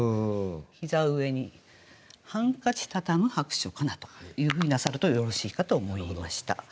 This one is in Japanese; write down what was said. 「膝上にハンカチたたむ薄暑かな」というふうになさるとよろしいかと思いました。